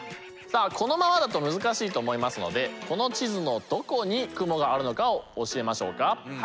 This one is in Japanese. さあこのままだと難しいと思いますのでこの地図のどこに雲があるのかを教えましょうか。